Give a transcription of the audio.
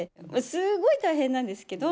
すごい大変なんですけど。